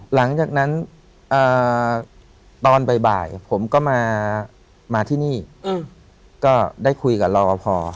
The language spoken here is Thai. หลังจากนั้นตอนบ่ายผมก็มาที่นี่ก็ได้คุยกับรอปภ